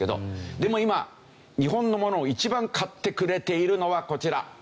でも今日本のものを一番買ってくれているのはこちら。